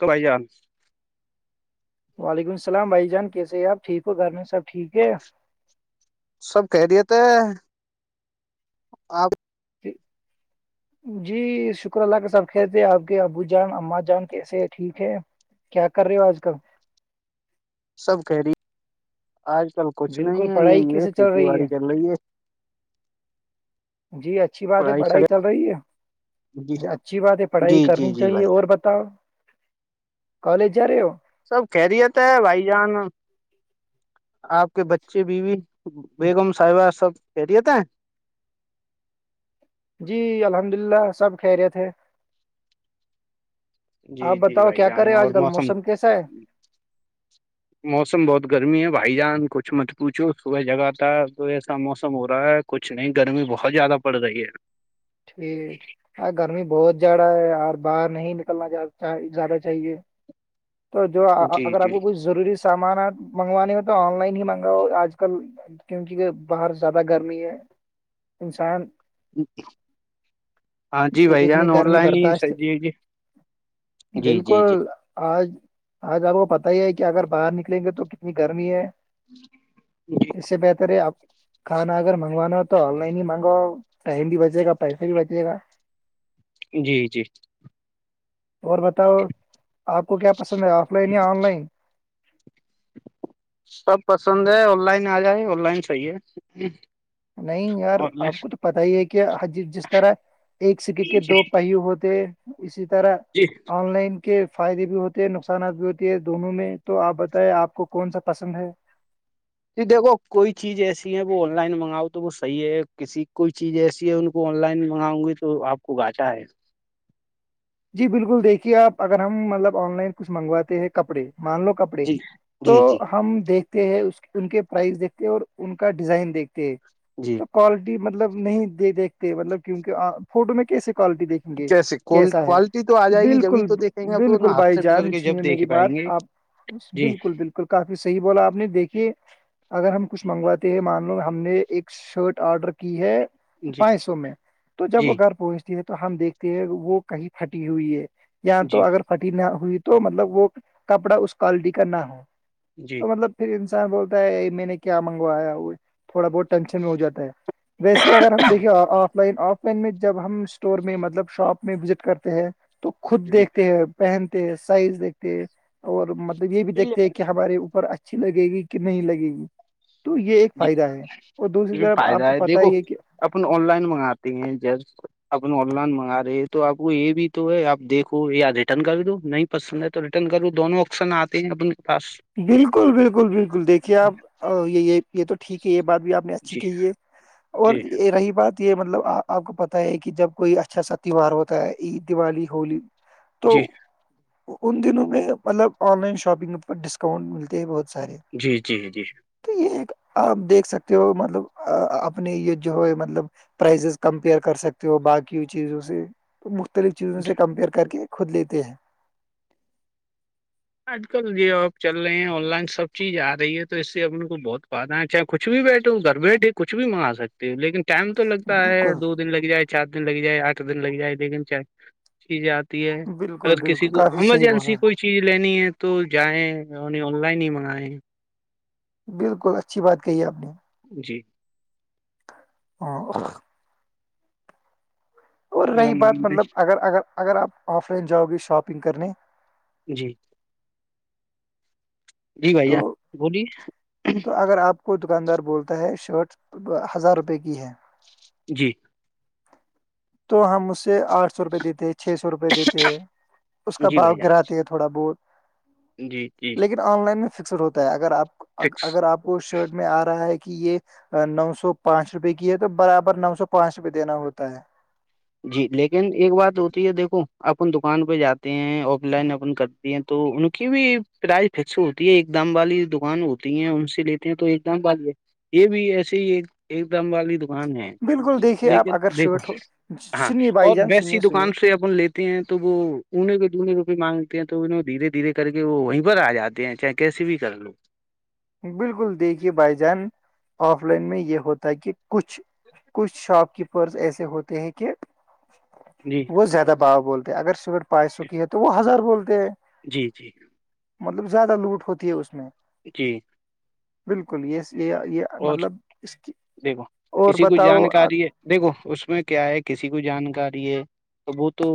بھائی جان وعلیکم السلام بھائی جان کیسے ہے آپ ٹھیک ہو گھر میں سب ٹھیک ہے سب خیریت ہے آپ جی شکر اللہ کا سب کہتے آپ کے ابو جان اماں جان کیسے ہے ٹھیک ہے کیا کر رہی ہو آج کل سب کہہ رہی آج کل کچھ بالکل نہیں ہے پڑھائی یہی یہ کیسے چل کھیتی رہی باڑی کر رہی ہے جی اچھی بات ہے پڑھائی چل رہی جی ہے اچھی بات ہے پڑھائی جی جی کرنی جی چاہیے بھائی جان اور ب کالج جا رہے ہو سب کہہ رہی تھا ہے بھائی جان آپ کے بچے بیوی بیگم صاحبہ سب خیریت ہیں جی الحمد اللہ سب خیریت ہے جی آپ جی بتاؤ بھائی کیا کر جان رہے اور آج کل موسم کیسا ہے [inaudible] موسم بہت گرمی ہے بھائی جان کچھ مت پوچھو صبح جگاتا تو ایسا موسم ہو رہا ہے کچھ نہیں گرمی بہت زیادہ پڑ رہی ہے ٹھیک ہاں گرمی بہت ج رہا ہے اور باہر نہیں نکلنا زیادہ چاہیے تو جو جی اگر آپ جی کو کچھ ضروری سامان آ منگوانے ہو تو آن لائن ہی منگاؤ آج کل کیونکہ باہر زیادہ گرمی ہے انسان ہاں جی بھائی جان اتنی آن گرمی لائن ہی س برداشت جی ہے جی جی جی بالکل آج آج آپ کو پت ہی ہے کہ اگر باہر نکلیں گے تو کتنی گرمی ہے اس سے بہتر ہے آپ کھانا اگر مگانا ہو تو آن لائن ہی مانگو ٹائم بج ج گا پسھر بھی بتے گا جی جی اور بتاؤ آپ کو کیا پسند ہے آف لائن یا آن لائن سب پسند ہے آن لائن آ جائے آن لائن صحیح ہے نہیں یار آن آپ لائن کو تو پتا ہی ہے کہ حجیب جس طرح ہے ایک سکی کے جی دو پہیو ہوتے اسی طرح جی آن لائن کے فائدے بھی ہوتے ہیں نقصانات بھی ہوتی ہے دونوں میں تو آپ بتائیں آپ کو کون سا پسند ہے جی دیکو کوئی چیز ایسی ہے وہ آن لائن منگاؤ تو وہ صحی ہے کسی کوئی چیز ایسی ہے ان کو آ کو آن لائن منگاؤں گی تو آ کو گاچا ہے جی بالکل دیکھیے آپ اگر ہم مطلب آن لائن کچھ منگواتے ہیں کپڑے مان لو کپڑے جی تو جی جی [unintelligible] ہم دیکھتے ہیں اس ان کے پرائز دیکھتے اور ان کا ڈیزائن دیکھتے ہیں جی تو [unintelligible] کوالٹی مطلب نہیں د دیکھتے مطلب کیونک فوٹو میں کیسسی کوالٹی دیکھ کیسے کو کوالٹی تو آ جائے گی جبھی بالکل تو دیکھیں گے آپ بالکل نا ہاتھ بھائی سے پکڑ جان کے جب سنیے دیکھ میری پائیں بات گے آپ جی بالکل بالکل کافی صحیح بولا آپ نے دیکھیے اگر ہم کچھ منگواتے ہیں مان لو ہم نے ایک شرٹ آرڈر کی ہے جی پانچ سو میں تو جب وہ جی گھر پہنچتی ہے تو ہم دیکھتے ہیں وہ کہیں ہھٹی ہوئی ہے یا تو جی اگر پھٹی نہ ہوئی تو مطلب وہ کپڑا اس کوالٹی کا نہ ہو جی [unintelligible] تو مطلب پھر انسان بولتا ہے میں نے کیا منگوایا وہ تھوڑا بہت ٹینشن میں ہو جاتا ہے ویسی اگر ہم دیکے آف لائن آف لائن میں جب ہم اسٹور میں مطلب شاپ میں وزٹ کر تو خود جی دیکھتے ہیں پہنتے ہیں سائز دیکھتے ہیں اور مطلب یہ بھی دیکھتے ہیں کہ ہمارے اوپر اچھی لگے گی کہ نہیں لگے گی تو یہ ایک جی فائدہ ہے اور دوسری بھی طرف آپ فائدہ کو ہے پت دیکھو ہی یہ کہ اپن آن لائن منگاتے ہیں جی اپ آن لائن منگا رہے ہیں تو آپ کو یہ بھی تو ہے آپ دیکھو یا ریٹرن کا بھی تو نہیں پسند ہے تو رٹرن کروں دونوں آپشن آتے ہیں اپنے پس بالکل بالکل بالکل دیکھیے آپ یہ یہ یہ تو ٹھیک ہے یہ بات بھی آپ نے اچھی جی کہی ہے اور جی یہ رہی بات یہ مطلب آپ کو پتہ ہے کہ جب کوئی اچھا سا تہوار ہوتا ہے عید دیوالی ہولی تو جی ان دنوں میں مطلب آن لائن شاپنگ پر ڈسک [unintelligible] اسکاؤنٹ ملتے ہے بہت سارے جی جی جی تو یہ آپ دیکھ سکتے ہو مطلب اپنے یہ جو ہے مطلب پرائزز کمپیئر کر سکتے ہو باقی چیزوں سے [unintelligible] تو مختلف چیزوں جی سے کمپیئر کر کے خود لیتے ہیں آج کل یہ آپ چل رہے ہیں آن لائن سب چیز آ رہی ہے تو اس سے ل کو بہت فدا ہےچ کچھ بھی بیٹھے ہ گھر بیٹھے کچھ بھی منگا سکتے ہو لیکن ٹائم تو لگتا ہے بالکل دو دن لگ جائے چار دن لگ جائے آٹھ دن لگ جائے دیک دن چائے چیز آتی ہے بالکل اگر کسی بالکل کو کافی صحیح ایمرجنسی بولا کوئی چیز لینی ہے تو جائیں آن لائن ہی منگائےیں بالکل اچھی بات کہی آپ نے جی ہاں [inaudible] اور میرا رہی م بات مطلب اگر اگر اگر آپ آف لائن جاؤ گے شاپنگ کرنے جی جی بھیا تو بولیے تو اگر آپ کو دکاندار بولتا ہے شرٹ ہزار روپے کی ہے جی تو ہم اسے آٹھ سو روپئے دیتے ہیں چھ سو روپئے دیتے ہیں اس کا جی باغ بھائی گراتے ہیں تو تھوڑا بہت جی جی لیکن آن لائن میں فکسر ہوتا ہے اگر آپ فکس اگر آپ کو شرٹ میں آ رہا ہے کہ یہ نو سو پانچ روپئے کی ہے تو برابر نو سو پانچ روپئے دینا ہوتا ہے جی لیکن ایک بات ہوتی ہے دیکھو اپن دکان پہ جاتے ہیں آف لائن اپن کرتی ہیں تو ان کی بھی پرائز فکس ہوتی ہے ایک دام والی دکان ہوتی ہے ان سے لیتے ہیں تو ایک دام والی ہے یہ بھی ایسے ہی ایک ایک دم والی دکان ہے بالکل دیکھیے آپ لیکن اگر دیکھو شرٹ ہو ہاں سنیے بھائی اور جان ویسی سنیے سنیے دکان سے اب لیتے ہیں تو وہ اننے کو دنے روپ مانگتے ہیں تو ان دھیرے دھیرے کر کے وہ وہیں پر آ جاتے ہیں چاہے کیسے بھی کر لو بالکل دیکھیے بھائی جان آف لائن میں یہ ہوتا ہے کہ کچھ کچھ شاپ کیپرز ایسے ہوتے ہیں کہ جی وہ زیادہ با بولتے ہیں اگر صگر پانچ سو کی ہے تو وہ ہزار بولتے ہیں ج جی مطلب زیادہ لوٹ ہوتی ہے اس میں جی بالکل یہ یہ یہ اور مطلب اس کی دیکھو اور کسی کو بتاؤ جانکاری ہے دیکھو اس میں کیا ہے کسی کو جانکاری ہے تو وہ تو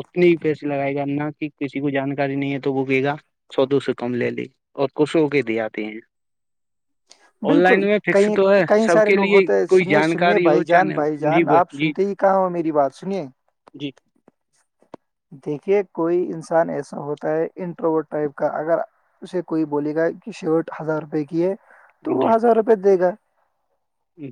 اتنے ہی پیسے لگائے گا نہ کہ کسی کو جانکاری نہیں ہے تو وہ گے گا سود سے کم لے لی اور کشوں کے دی آتی ہیں آن بالکل لائن میں کئی فکس تو ہے کئی سب سارے کے لوگ لیے ہوتے ہیں کوئی سنیے سنیے جانکاری بھائی ہو جان چاہے بھائی جی جان بس آپ جی سنتے ہی کہاں ہو میری بات سنیے جی دیکھیے کوئی انسان ایسا ہوتا ہے انٹروو ٹائپ کا اگر اسے کوئی بولے گا کہ شرٹ ہزار روپے کی ہے تو جی وہ ہزار روپئے دے گا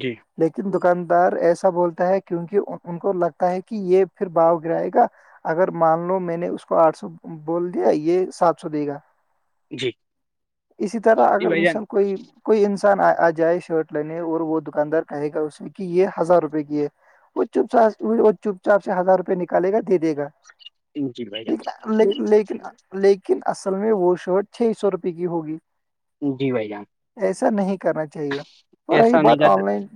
جی لیکن دکاندار ایسا بولتا ہے کیونکہ ان کو لگتا ہے کہ یہ پھر باؤ گرائے گا اگر مان لو میں نے اس کو آٹھ سو بول دیا یہ سات سو دے گا جی اسی طرح جی اگر بھائی جان انسان کوئی کوئی انسان آ جائے شرٹ لینے اور وہ دکاندار کہے گا اس میں کہ یہ ہزار روپے کی ہے وہ چپ چاپ وہ چپ چاپ سے ہزار روپئے نکالے گا دے دےا جی بھائی ٹھیک جان لیکن لیکن لیکن اصل میں وہ شرٹ چھ سو روپے کی ہوگی جی بھائی جان ایسا نہیں کرنا چاہیے پر رہی ایسا نہیں بات کر آن لائن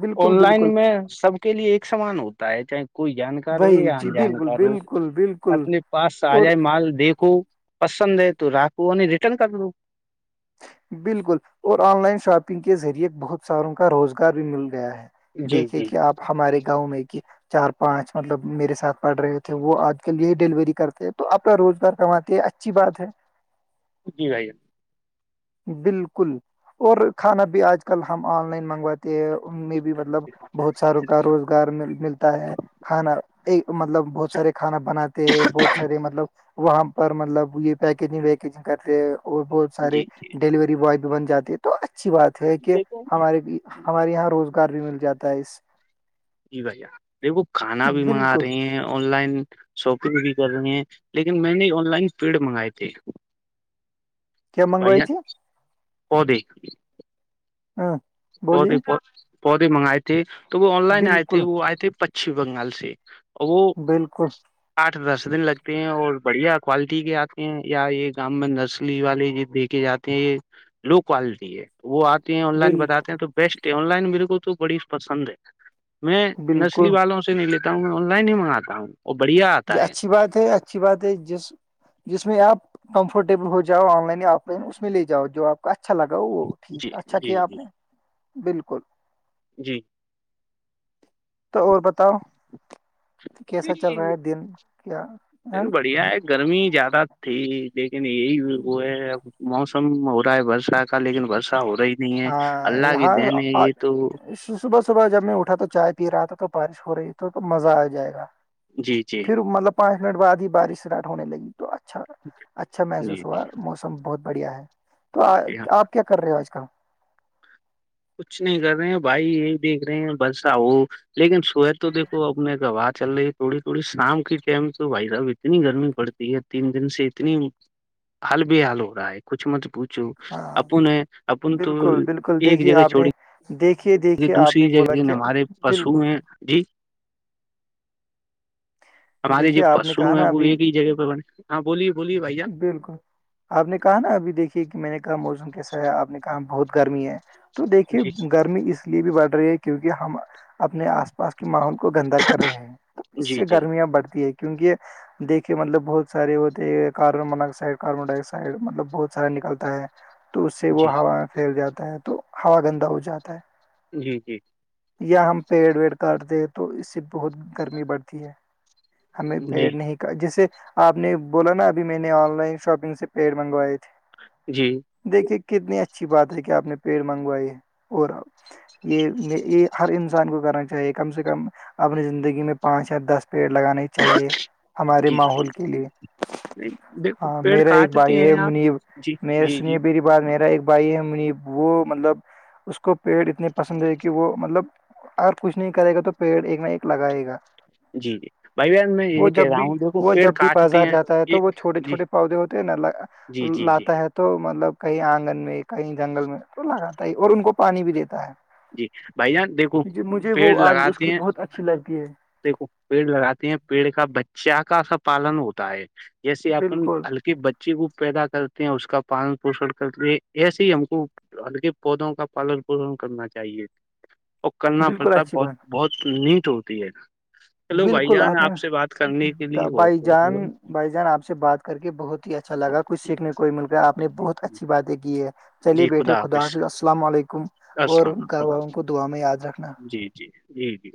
بالکل آن بالکل لائن میں سب کے لیے ایک سامان ہوتا ہے چاہے کوئی جانکار ہو وہی یا جی بالکل انجانکار ہو بالکل بالکل اپنے پاس آ اور جائے مال دیکھو پسند ہے تو رکھو اور ریٹرن کر ل بالکل اور آن لائن شاپنگ کے ذریعے بہت ساروں کا روزگار بھی مل گیا ہے جی دیکھیے جی کہ آپ ہمارے گاؤں میں کہ چار پانچ مطلب میرے ساتھ پڑھ رہے تھے وہ آج کے لیے ڈیلیوری کرتے تو اپنا روزگار کماتے اچھی بات ہے جی بھائی ج بالکل اور کھانا بھی آج کل ہم آن لائن منگواتے ہیں ان میں بھی مطلب بہت ساروں کا روزگار ملتا ہے کھانا ایک مطلب بہت سارے کھانا بناتے بہت سارے مطلب وہاں پر مطلب یہ پیکیجنگ ویکیجنگ کرتے اور بہت جان سارے جی جی ڈیلیوری بوائے بھی بن جاتی ہے تو اچھی بات ہے کہ دیکھو ہمارے بھی ہمارے یہاں روزگار بھی مل جاتا ہے اس جی بھیا ارے وہ کھانا بھی منگا بالکل رہے ہیں آن لائن شاپنگ بھی کر رہی ہیں لیکن میں نے آن لائن پیڑ منگائے تھے کیا بائی ج منگوائی تھی وہ دیک ہاں بولیے پودے پودے منگائے تھی تو وہ آن لائن آئی تھی بالکل وہ آئی تھی پچم بنگال سے اور وہ بالکل آٹھ دس دن لگتے ہیں اور بڑھیا کوالٹی کے آتے ہیں یا یہ گام میں نرسری والے دیک کے جاتے یہ لو کوالٹی ہے وہ آتے ہیں آن لائن بال بتاتے ہیں تو بیسٹ ہے آن لائن بالکل تو بڑی پسند ہے میں بالکل نسلی والوں سے نہیں لیتا ہوں میں آن لائن ہی منگاتا ہوں اور بڑھیا جی آتا ہے اچھی بات ہے ا اچھی بات ہے جس جس میں آپ کمفرٹیبل ہو جاؤ آن لائن یا آف لائن اس میں لے جاؤ جو آپ اچھا لگا وہ جی ٹھیک اچھا جی کیا آپ جی نے بالکل جی تو اور بتاؤ کیسا چل رہا ہے لیکن دن کیا بڑھیا ہے گرمی زیادہ تھی لیکن یہی وہ ہے اب موسم موسم ہو رہا ہے برسہ کا لیکن برسہ ہو رہا ہی نہیں ہے ہاں، اللہ کی یہاں بہن ہے آ- یہ تو صبح صبح جب میں اٹھا تو چائے پی رہا تھا تو بارش ہو رہی تو مزہ آ جائے گا جی جی پھر مطلب پانچ منٹ بعد ہی بارش اسٹارٹ ہونے لگی تو اچھا اچھا جی محسوس ہوا موسم بہت بڑھیا ہے تو جی آپ کیا کر رہے ہو آج کل کچھ نہیں کر رہے ہیں بھائی یہی دیکھ رہے ہیں بلسہ ہو لیکن سوح تو دیکھو اپنے گواہار چل رہی ہے تھوڑی تھوڑی شام کے ٹم تو بھائی صحب اتنی گرمی پڑتی ہے تین دن سے اتنی حال بےحال ہو رہا ہے کچھ مت پوچھو ہاں اپن ہے اپن تو ایک جگہ اپنے چھوڑی دیکھیے دیکھیے آپ دوسری نے بولا جگہ کہ ہمارے پشو بالکل میں جی ہمارے دیکھیے جو آپ نے پشو کہا ہیں نا وہ ابھی ایک ہی جگہ پہ بنے ہاں بولیے بولیے بھائی بالکل اپ نے کہا نا ابھی دیکھیے کہ میں نے کہا موسم کیسا ہے اپ نے کہا بہت گرمی ہے تو دیکھیے جی گھر میں اس لیے بھی بڑھ رہی ہے کیونکہ ہم اپنے اس پاس کی کو گندا کر رہے ہیں اس جی سے جی گرمیاں بڑھتی ہے کیونکہ دیکھیں مطلب بہت سارے ہوتے ہیں مطلب بہت سارا نکلتا ہے تو اس سے وہ جی ہوا پھیل جاتا ہے تو ہوا گندا ہو جاتا ہے جی جی یا ہم پیڈ کاٹ دے تو اس بہت گرمی بڑھتی ہے ہمیں جی پیر نہیں جیسے اپ نے بولو نا ابھی میں نے ان لائن شاپنگ سے پیٹ منگوائے تھے جی دیکھیں کتنی اچھی بات ہے کہ اپ نے پیڑ منگوائی ہے اور یہ ہر انسان کو کہنا چاہیے کم سے کم اپنی زندگی میں پانچ ہے د پیڈ لگانے چاہیے ہمارے جی ماحول کے لیے بھائی دیکھو پیڑ میرا ایک کاٹتے بھائی ہے ہیں آپ منیب جی نے جی جی سنیے میری پر میرا ایک بھائی ہے وہ مطلب اس کو پیٹ اتنی پسند کہ وہ مطلب اپ کچھ نہیں کرے گا تو پیڈ ایک نہ ایک لگائے گا جی جی بھائی جان میں وہ یہ جب کہہ رہا بھی ہوں دیکھو وہ پیڑ جب بھی کاٹتے بازار ہیں جاتا ہے یہ تو وہ چھوٹے جی چھوٹے پودے ہوتے ہیں ن جی جی جی لاتتا ہے مطلب کہ انگن میں کہیں جنگل میں اور ان کو پانی بھی دیتا ہے جی بھائی جان یہ مجھے وہ پیڑ اس لگاتے کی ہیں بہت اچھی لگتی ہے دیکھو پیڑ لگاتے ہیں پیڑ کا بچہ کا پالن ہوتا ہے جیسے اپ بالکل ہلکی جی وہ پیدا کرتے ہیں اس کا پانی پشٹ کرتے ایسے ہی ہم کو کے پودوں کا پالک کرنا کرنا بالکل پڑتا ہے اچھی بہت بات بہت نیٹ ہوتی ہے چلو بھائی بالکل جان اپ ہے سے بات کرنے کے لیے بھائی بہت بہت جان بہت- بھائی جان اپ سے بات کر کے بہت ہی اچھا لگا کچھ سیکھنے کو مل کر اپ نے بہت اچھی باتیں کی ہیں علی بیٹے خدا السلام علیکم اور گھر ب والوں کو دعا میں یاد رکھنا جی جی جی جی